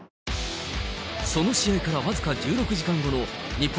その試合から僅か１６時間後の日本